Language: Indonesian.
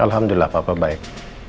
alhamdulillah papa baik